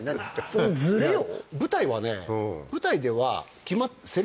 そのズレを？